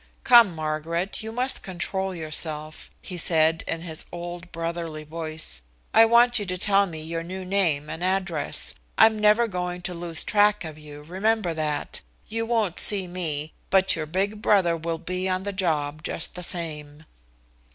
"Come, Margaret, you must control yourself," he said in his old brotherly voice. "I want you to tell me your new name and address. I'm never going to lose track of you, remember that. You won't see me, but your big brother will be on the job just the same."